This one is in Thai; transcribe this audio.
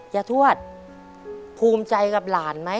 ทวดภูมิใจกับหลานไหม